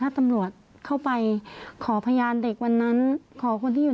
แล้วก็ย้ำว่าจะเดินหน้าเรียกร้องความยุติธรรมให้ถึงที่สุด